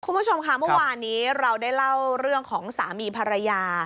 คุณผู้ชมค่ะเมื่อวานนี้เราได้เล่าเรื่องของสามีภรรยา